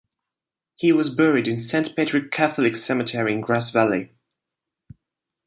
He was buried in Saint Patrick Catholic Cemetery in Grass Valley.